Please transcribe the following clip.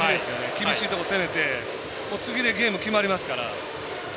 厳しいところ攻めて次でゲーム決まりますから。